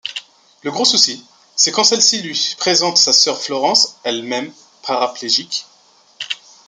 Le gros souci, c’est quand celle-ci lui présente sa sœur Florence... elle-même paraplégique.